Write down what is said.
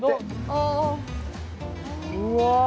うわ！